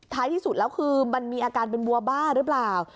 ที่สุดแล้วคือมันมีอาการเป็นวัวบ้าหรือเปล่า